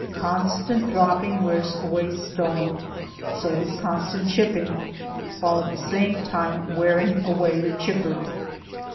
Constant dropping wears away stone. So does constant chipping, while at the same time wearing away the chipper.